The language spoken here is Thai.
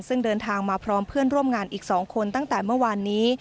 ซึ่งเดินทางมาพร้อมเพื่อนร่วมงานอีก๒คนตั้งแต่เมื่อวานนี้